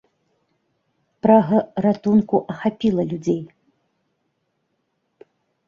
Прага ратунку ахапіла людзей.